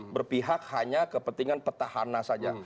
berpihak hanya kepentingan petahana saja